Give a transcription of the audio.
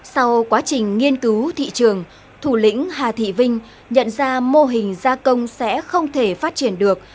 sau quá trình nghiên cứu thị trường thủ lĩnh hà thị vinh nhận ra mô hình gia công sẽ không thể phát triển được